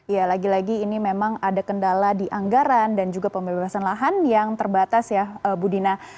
ya lagi lagi ini memang ada kendala di anggaran dan juga pembebasan lahan yang terbatas ya bu dina